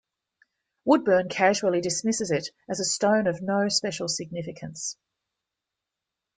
Woodburn casually dismisses it as a stone of no special significance.